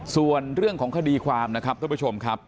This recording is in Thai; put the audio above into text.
ส่วนเรื่องของคดีความนะครับท่านผู้ชมครับ